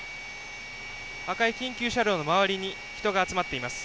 赤い緊急車両の周りに人が集まっています。